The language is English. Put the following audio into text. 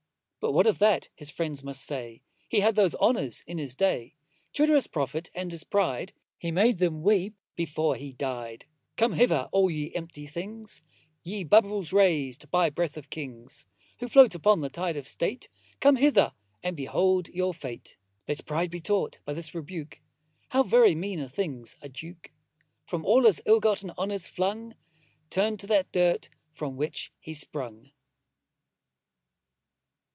But what of that, his friends may say, He had those honours in his day. True to his profit and his pride, He made them weep before he dy'd. Come hither, all ye empty things, Ye bubbles rais'd by breath of Kings; Who float upon the tide of state, Come hither, and behold your fate. Let pride be taught by this rebuke, How very mean a thing's a Duke; From all his ill got honours flung, Turn'd to that dirt from whence he sprung.